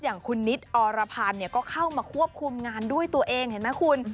อย่างคุณนิดอรพันธ์ก็เข้ามาควบคุมงานด้วยตัวเองเห็นไหมคุณ